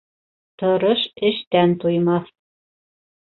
Тырыш эштән туймаҫ.